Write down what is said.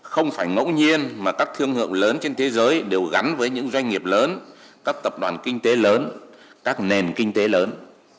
không phải ngẫu nhiên mà các thương hiệu lớn trên thế giới đều gắn với những doanh nghiệp lớn các tập đoàn kinh tế lớn các nền kinh tế lớn